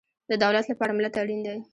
د دولت لپاره ملت اړین دی